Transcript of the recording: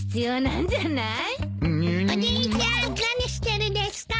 おじいちゃん何してるですか？